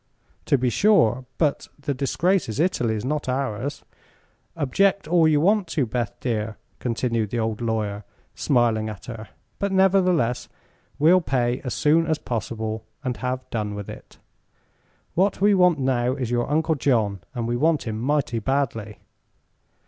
"To be sure; but the disgrace is Italy's, not ours. Object all you want to, Beth, dear," continued the old lawyer, smiling at her; "but nevertheless we'll pay as soon as possible, and have done with it. What we want now is your Uncle John, and we want him mighty badly."